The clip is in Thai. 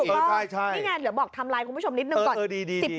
ใช่นี่ไงเดี๋ยวบอกไทม์ไลน์คุณผู้ชมนิดนึงก่อน